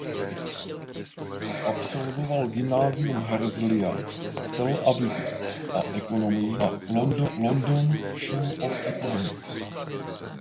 Absolvoval gymnázium Herzlija v Tel Avivu a ekonomii na London School of Economics.